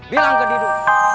bilang ke didu